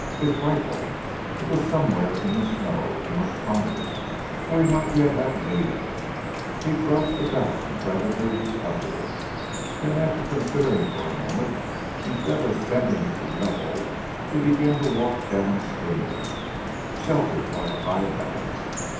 His rifle! It was somewhere in the snow, he must find it, for he might yet have need of it. He groped about, and presently recovered it; then after considering for a moment, instead of ascending to the level, he began to walk downstream, sheltered by the high banks.